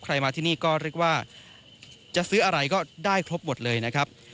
มาที่นี่ก็เรียกว่าจะซื้ออะไรก็ได้ครบหมดเลยนะครับ